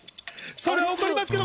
それは怒りますけど。